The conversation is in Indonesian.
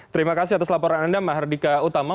terima kasih atas laporan anda mbah hardika utama